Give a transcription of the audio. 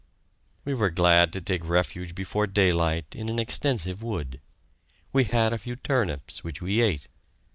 We were glad to take refuge before daylight in an extensive wood. We had a few turnips, which we ate.